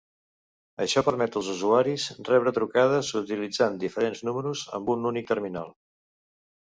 Això permet als usuaris rebre trucades utilitzant diferents números amb un únic terminal.